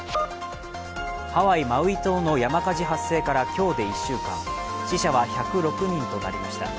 ハワイ・マウイ島の山火事発生から今日で１週間、死者は１０６人となりました。